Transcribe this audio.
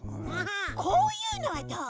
こういうのはどう？